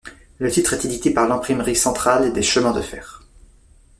Le titre est édité par l'Imprimerie Centrale des chemins de fer.